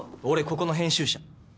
俺ここの編集者。